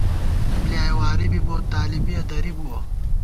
دُوبۡلیایَہ واری بی بوت ، طالِبِیَہ درِبُوَہ